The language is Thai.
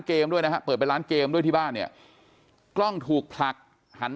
ด้วยนะฮะเปิดเป็นร้านเกมด้วยที่บ้านเนี่ยกล้องถูกผลักหัน